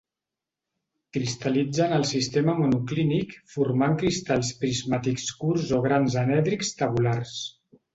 Cristal·litza en el sistema monoclínic formant cristalls prismàtics curts o grans anèdrics tabulars.